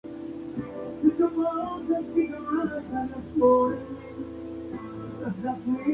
Es ampliamente considerado como el primer videojuego ambientado íntegramente en Argentina.